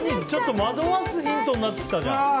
惑わすヒントになってきたじゃん。